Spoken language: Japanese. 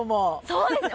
そうですね